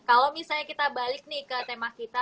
kalau misalnya kita balik nih ke tema kita